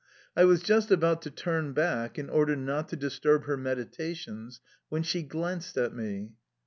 I was just about to turn back, in order not to disturb her meditations, when she glanced at me.